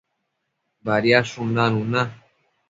Badiadshun nanun na